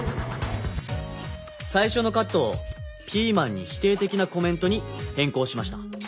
さいしょのカットをピーマンに否定的なコメントにへんこうしました。